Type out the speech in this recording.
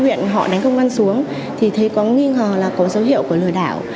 trừ với các dấu hiệu công an huyện họ đánh công an xuống thì thấy có nghi ngờ là có dấu hiệu của lừa đảo